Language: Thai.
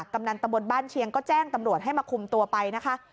กำนันตะบนบ้านเชียงก็แจ้งตำรวจให้มาคุมตัวไปนะคะ